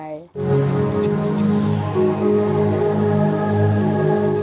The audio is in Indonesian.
yang penting halal gitu ya